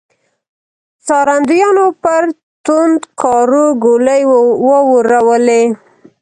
څارندويانو پر توندکارو ګولۍ وورولې.